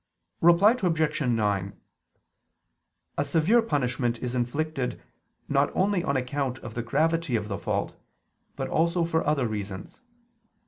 Reply Obj. 9: A severe punishment is inflicted not only on account of the gravity of a fault, but also for other reasons.